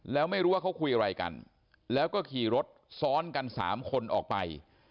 แล้วไม่รู้ว่าเขาคุยอะไรกันแล้วก็ขี่รถซ้อนกันสามคนออกไป